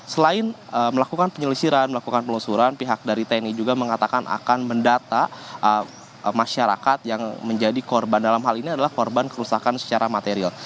selain melakukan penyelisiran melakukan penelusuran pihak dari tni juga mengatakan akan mendata masyarakat yang menjadi korban dalam hal ini adalah korban kerusakan secara material